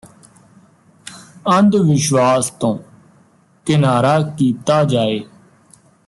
ਅੰਧ ਵਿਸ਼ਵਾਸ ਤੋਂ ਕਿਨਾਰਾ ਕੀਤਾ ਜਾਏ